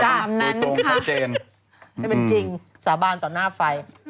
ให้เป็นจริงสาบานต่อหน้าไฟ